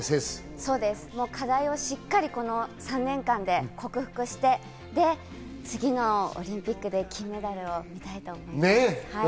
そうです、課題をしっかりこの３年間で克服して、次のオリンピックで金メダルを見たいと思います。